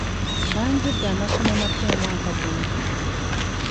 Banjudde amasomo amapya omwaka guno.